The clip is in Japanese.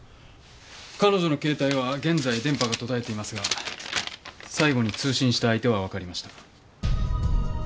彼女の携帯は現在電波が途絶えていますが最後に通信した相手はわかりました。